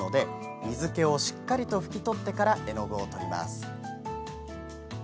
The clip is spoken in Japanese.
水けをしっかりと拭き取ってから絵の具を取ります。